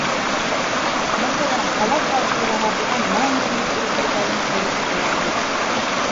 Мәҫәлән, ҡала халҡы яңыртылған «Мәңгелек ут» һәйкәлен күреп ҡыуанды.